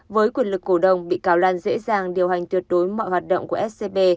với quyền lực cổ đông bị cáo lan dễ dàng điều hành tuyệt đối mọi hoạt động của scb